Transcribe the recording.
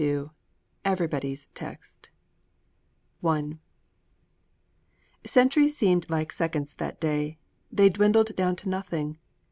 XXII EVERYBODY'S TEXT I Centuries seemed like seconds that day: they dwindled down to nothing.